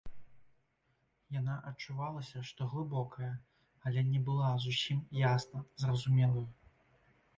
Яна адчувалася, што глыбокая, але не была зусім ясна зразумелаю.